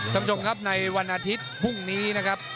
จำจงครับในวันอาทิตย์พรุ่งนี้นะครับ